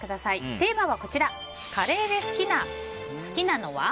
テーマは、カレーで好きなのは？